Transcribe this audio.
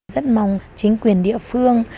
rất mong chính quyền địa phương